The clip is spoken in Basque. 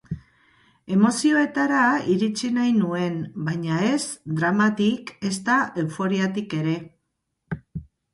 Emozioetara iritsi nahi nuen, baina ez dramatik ezta euforiatik ere.